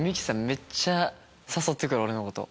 めっちゃ誘って来る俺のこと。